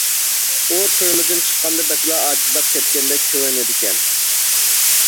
ئۇ تۈرمىدىن چىققاندا بەكلا ئاجىزلاپ كەتكەندەك كۆرۈنىدىكەن.